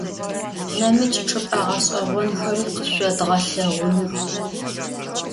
Nemıç' çç'ıp'e ğeş'eğonxeri khışsodğelheğunıx.